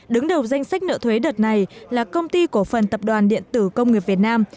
đứng đầu danh sách nợ thuế đợt này là công ty cổ phần tập đoàn điện tử công nghiệp việt nam